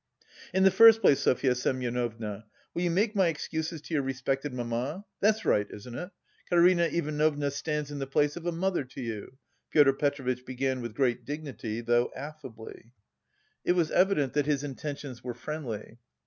"In the first place, Sofya Semyonovna, will you make my excuses to your respected mamma.... That's right, isn't it? Katerina Ivanovna stands in the place of a mother to you?" Pyotr Petrovitch began with great dignity, though affably. It was evident that his intentions were friendly.